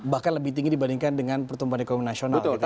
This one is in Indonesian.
bahkan lebih tinggi dibandingkan dengan pertumbuhan ekonomi nasional